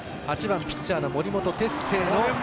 ８番ピッチャーの森本哲星。